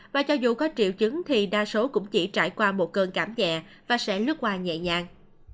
và cho dù có triệu chứng thì đa số cũng chỉ trải qua một cơn cảm ghẹ và sẽ lướt qua nhẹ nhàng